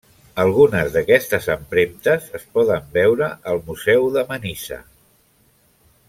Algunes d'aquestes empremtes es poden veure al Museu de Manisa.